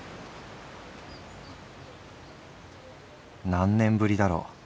「何年ぶりだろう。